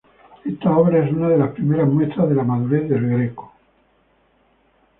Esta obra es una de las primeras muestras de la madurez de El Greco.